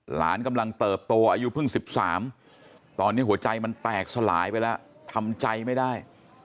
หลานกำลังเติบโตอายุเพิ่ง๑๓ตอนนี้หัวใจมันแตกสลายไปแล้วทำใจไม่ได้